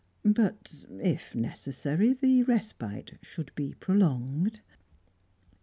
But if necessary the respite should be prolonged.